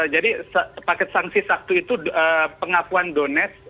jadi paket sanksi satu itu pengakuan donetsk